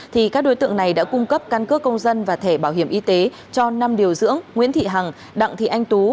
thì các đối tượng này đã cung cấp căn cước công dân và thẻ bảo hiểm y tế cho năm điều dưỡng nguyễn thị hằng đặng thị anh tú